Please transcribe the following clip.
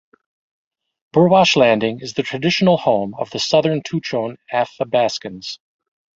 Burwash landing is the traditional home of the Southern Tutchone Athabascans.